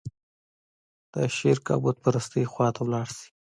د شرک او بوت پرستۍ خوا ته لاړ شي.